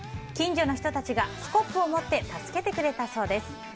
近所の人たちがスコップを持って助けてくれたそうです。